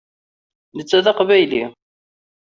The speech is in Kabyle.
Netta d aqbayli.